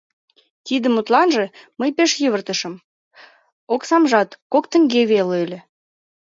Тиде мутланже мый пеш йывыртышым, оксамжат кок теҥге веле ыле.